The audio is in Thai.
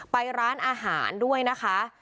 ไปร้านอาหารด้วยนะคะ